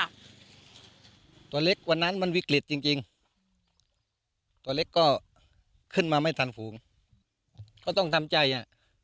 ตัวเล็กกว่านั้นมันวิกฤตจริงจริงตัวเล็กก็ขึ้นมาไม่ทันฝูงก็ต้องทำใจอ่ะ